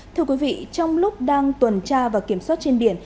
thưa quý vị trong lúc đang tuần tra và kiểm soát trên biển